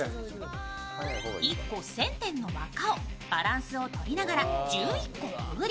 １個１０００点の輪っかをバランスをとりながら１１個くぐり